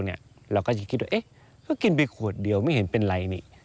เราก็จะคิดว่าก็กินไปขวดเดียวไม่เห็นเป็นไรนี่